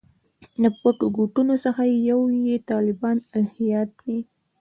له پټو ګوټونو څخه یو یې طالبانو الهیات دي.